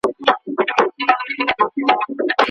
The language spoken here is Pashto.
ولي ځايي واردوونکي طبي درمل له هند څخه واردوي؟